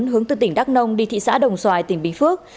hướng từ tỉnh đắk nông đi thị xã đồng xoài tỉnh bình phước